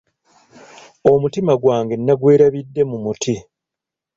Omutima gwange nagwerabidde mu muti.